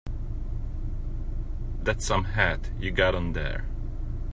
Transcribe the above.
That's some hat you got on there.